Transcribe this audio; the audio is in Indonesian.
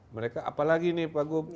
mereka apalagi nih pak gub